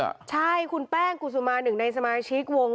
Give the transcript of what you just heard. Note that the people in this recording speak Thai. ไว้ถามคุณแป้งกุศุมาหนึ่งในสมาชิกวกฎง